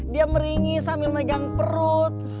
dia meringi sambil megang perut